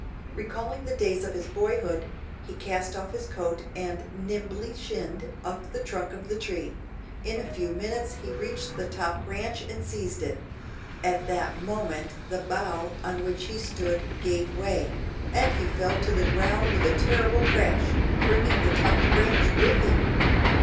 Recalling the days of his boyhood, he cast off his coat and nimbly shinned up the trunk of the tree. In a few minutes he reached the top branch and seized it. At that moment the bough on which he stood gave way, and he fell to the ground with a terrible crash, bringing the top branch with him!